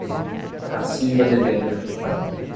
Cacimba de Dentro